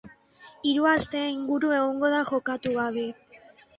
Hiru aste inguru egongo da jokatu gabe.